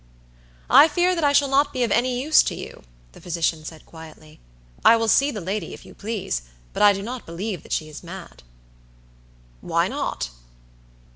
"I fear that I shall not be of any use to you," the physician said, quietly; "I will see the lady, if you please, but I do not believe that she is mad." "Why not?"